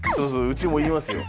うちも言いますよ。